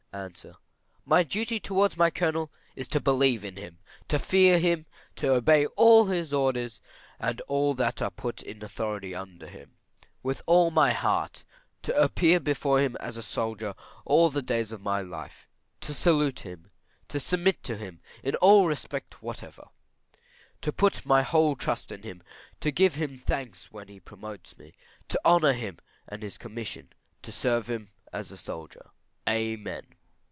A. My duty towards my Colonel is to believe in him, to fear him, to obey all his orders, and all that are put in authority under him, with all my heart; to appear before him as a soldier all the days of my life; to salute him, to submit to him in all respect whatever; to put my whole trust in him, to give him thanks when he promotes me, to honour him and his commission, and to serve him as a soldier. Amen.